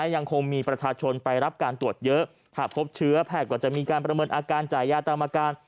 ยังคงมีประชาชนไปรับการตรวจเยอะถ้าพบเชื้อแพทย์ก็จะมีการประเมินอาการจ่ายยาตามอาการ